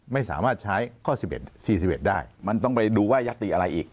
ไม่สามารถใช้ข้อ๑๑๔๑ได้มันต้องไปดูว่ายัตติอะไรอีก